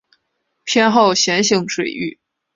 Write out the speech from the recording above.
偏好咸性水域。